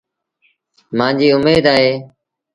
مآݩجيٚ اُميد اهي۔